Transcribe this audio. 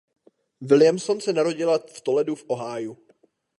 Williamson se narodila v Toledu v Ohiu.